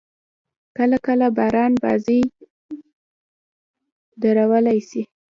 کله – کله باران بازي درولای سي.